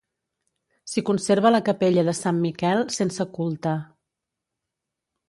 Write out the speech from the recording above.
S'hi conserva la capella de Sant Miquel, sense culte.